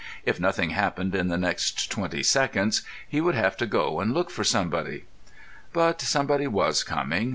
If nothing happened in the next twenty seconds he would have to go and look for somebody. But somebody was coming.